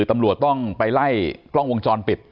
ตำรวจต้องไปไล่กล้องวงจรปิด